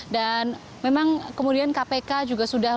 memang kemudian kpk juga sudah